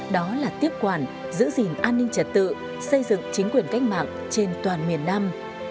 đó là tiếp quản giữ gìn an ninh trật tự xây dựng chính quyền cách mạng trên toàn miền nam